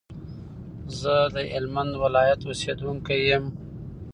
زه دهلمند ولایت اوسیدونکی یم.